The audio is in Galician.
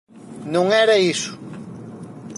Non era iso.